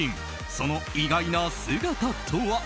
その意外な姿とは？